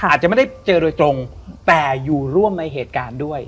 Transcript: อาจจะไม่ได้เจอโดยตรงแต่อยู่ร่วมในเหตุการณ์ด้วย